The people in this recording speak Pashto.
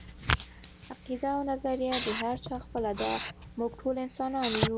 عقیده او نظريه د هر چا خپله ده، موږ ټول انسانان يو